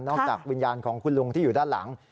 จากวิญญาณของคุณลุงที่อยู่ด้านหลัง